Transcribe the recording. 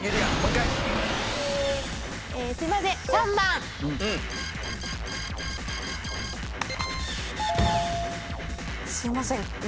すいません。